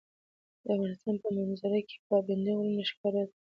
د افغانستان په منظره کې پابندی غرونه ښکاره ده.